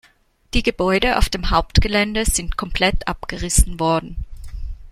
Die Gebäude auf dem Hauptgelände sind komplett abgerissen worden.